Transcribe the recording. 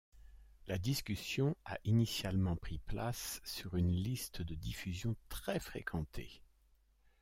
La discussion a initialement pris place sur une liste de diffusion très fréquentée.